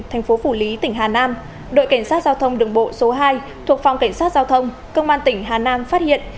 thành phố phủ lý tỉnh hà nam đội cảnh sát giao thông đường bộ số hai thuộc phòng cảnh sát giao thông công an tỉnh hà nam phát hiện